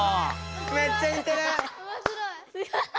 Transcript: めっちゃにてる！